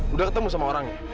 udah ketemu sama orangnya